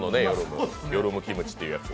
ヨルムキムチというやつ。